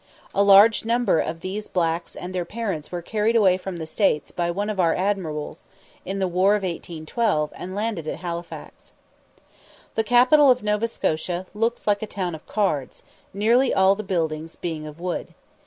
A large number of these blacks and their parents were carried away from the States by one of our admirals in the war of 1812, and landed at Halifax. The capital of Nova Scotia looks like a town of cards, nearly all the buildings being of wood.